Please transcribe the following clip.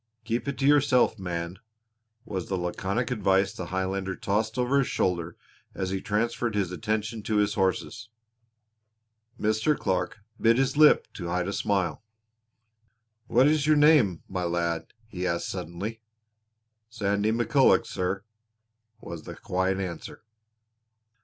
"Keep it to yourself, man," was the laconic advice the Highlander tossed over his shoulder as he transferred his attention to his horses. Mr. Clark bit his lip to hide a smile. "What is your name, my lad?" he asked suddenly. "Sandy McCulloch, sir," was the quiet answer.